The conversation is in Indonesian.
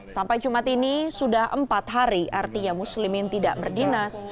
sampai jumat ini sudah empat hari artinya muslimin tidak berdinas